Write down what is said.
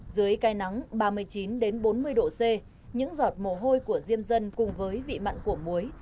dưới cây nắng ba mươi chín bốn mươi độ c những giọt mồ hôi của diêm dân cùng với vị mặn của muối